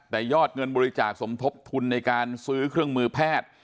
แต่ยอดเงินบริจาคสมทบทุนในการซื้อเครื่องมือแพทย์